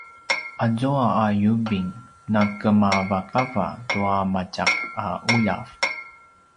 azua a yubing nakemavakava tua matjak a ’uljav